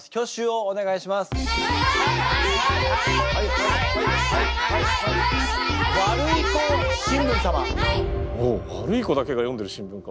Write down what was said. おお悪い子だけが読んでる新聞か。